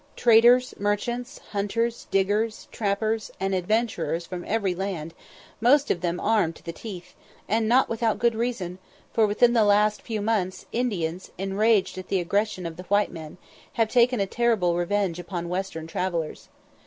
Traders, merchants, hunters, diggers, trappers, and adventurers from every land, most of them armed to the teeth, and not without good reason; for within the last few months, Indians, enraged at the aggressions of the white men, have taken a terrible revenge upon western travellers.